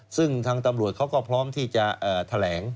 ซึ่งทางตำรวจเขาก็พร้อมที่จะแถลง